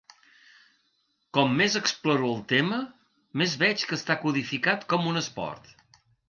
Com més exploro el tema, més veig que està codificat com un esport.